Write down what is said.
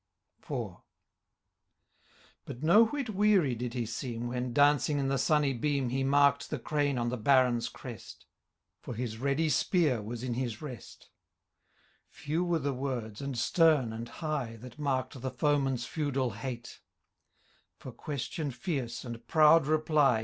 IV. But no whit weaiy did he seem. When, dancing in the sunny beam. He marked the crane on the Baron's crest ;> For his ready spear was in his rest Few were the words, and stem and high. That marked the foemen's feudal hate ; For question fierce, and proud reply.